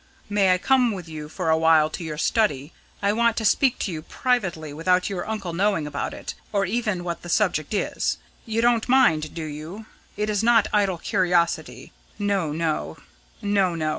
"May I come with you for a while to your study? I want to speak to you privately without your uncle knowing about it, or even what the subject is. You don't mind, do you? It is not idle curiosity. No, no.